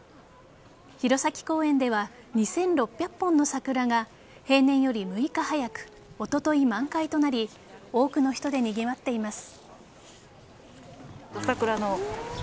弘前公園では２６００本の桜が平年より６日早くおととい満開となり多くの人で、にぎわっています。